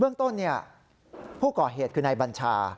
เบื้องต้นเนี่ยผู้ก่อเหตุคือในบัญชา